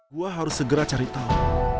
gue harus segera cari tahu